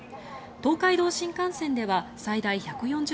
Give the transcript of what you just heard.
東海道新幹線では最大１４０％